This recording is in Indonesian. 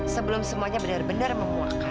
sebelum semuanya benar benar menguakkan